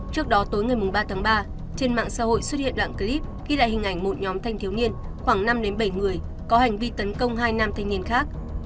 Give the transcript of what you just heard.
trước đó tối ngày ba tháng ba trên mạng xã hội xuất hiện đoạn clip ghi lại hình ảnh một nhóm thanh thiếu niên khoảng năm bảy người có hành vi tấn công hai nam thanh niên khác